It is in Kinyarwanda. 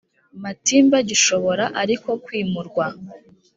matimba gishobora ariko kwimurirwa